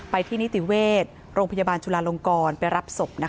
ที่นิติเวชโรงพยาบาลจุลาลงกรไปรับศพ